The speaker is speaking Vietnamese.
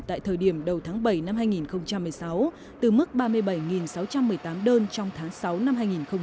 tại thời điểm đầu tháng bảy năm hai nghìn một mươi sáu từ mức ba mươi bảy sáu trăm một mươi tám đơn trong tháng sáu năm hai nghìn một mươi chín